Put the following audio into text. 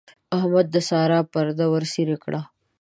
احمد د سارا پرده ورڅېرې کړه.